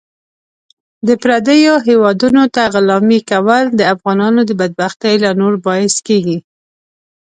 د پردیو هیوادونو ته غلامي کول د افغانانو د بدبختۍ لا نور باعث کیږي .